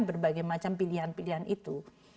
berbagai macam pilihan pilihan itu